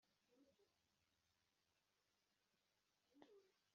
nta kintu na kimwe?